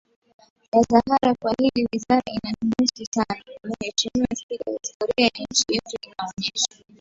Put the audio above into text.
la sahara kwa hii wizara inanihusu sana Mheshimiwa Spika historia ya nchi yetu inaonyesha